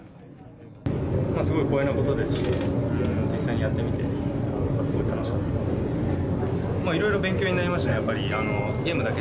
すごい光栄なことですし、実際にやってみて、すごい楽しかったです。